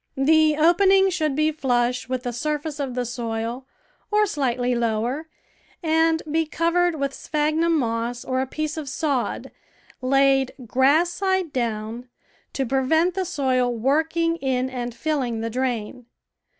The opening should be flush with the surface of the soil, or slightly lower, and be cov ered with sj)hagnum moss or a piece of sod, laid grass side down, to prevent the soil working in and filling the drain.